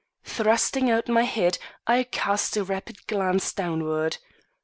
Thrusting out my head, I cast a rapid glance downward.